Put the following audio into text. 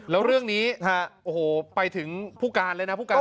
แล้วเรื่องนี้โอ้โหไปถึงผู้การเลยนะผู้การ